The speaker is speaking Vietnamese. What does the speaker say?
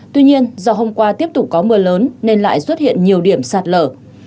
tuy nhiên do hôm qua tiếp tục có mưa lớn nên lại xuất hiện nhiều điểm sạt lở